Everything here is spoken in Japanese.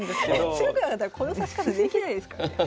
強くなかったらこの指し方できないですからね。